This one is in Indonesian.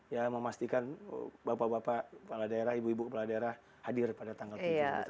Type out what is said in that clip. ya memastikan bapak bapak peladara ibu ibu peladara hadir pada tanggal ke tujuh